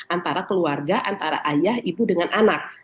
antara keluarga antara ayah ibu dengan anak